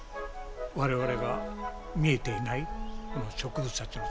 我々が見えていないこの植物たちの世界。